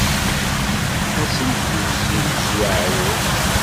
Ad sen-yezzi s uεrur.